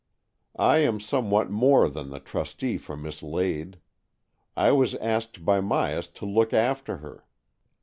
I am somewhat more than the trustee for Miss Lade. I was asked by Myas to look after her.